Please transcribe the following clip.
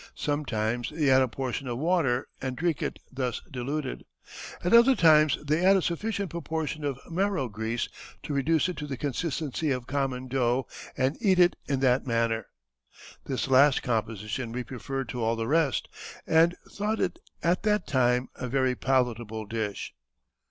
Sometimes they add a portion of water, and drink it thus diluted; at other times they add a sufficient proportion of marrow grease to reduce it to the consistency of common dough and eat it in that manner. This last composition we preferred to all the rest, and thought it at that time a very palatable dish."